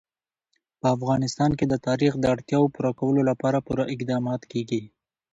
په افغانستان کې د تاریخ د اړتیاوو پوره کولو لپاره پوره اقدامات کېږي.